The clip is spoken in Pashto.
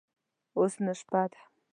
اوس نو شپه ده.